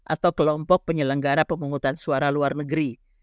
atau kelompok penyelenggara pemungutan suara luar negeri